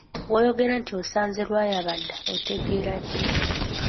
Bwe njogera nti osanze lwayaba dda otegeera ki?